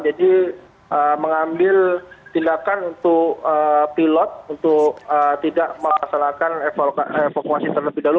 jadi mengambil tindakan untuk pilot untuk tidak memasakkan evakuasi terlebih dahulu